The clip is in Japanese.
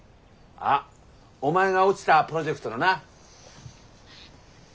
あお前が落ちたプロジェクトのな？